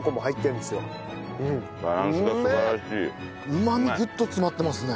うまみギュッと詰まってますね。